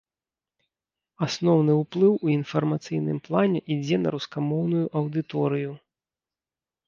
Асноўны ўплыў у інфармацыйным плане ідзе на рускамоўную аўдыторыю.